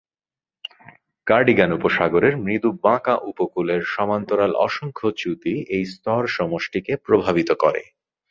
Cardigan উপসাগরের মৃদু বাঁকা উপকূলের সমান্তরাল অসংখ্য চ্যুতি এই স্তরসমষ্টিকে প্রভাবিত করে।